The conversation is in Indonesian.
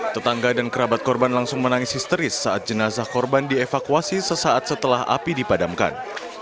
tetangga dan kerabat korban langsung menangis histeris saat jenazah korban dievakuasi sesaat setelah api dipadamkan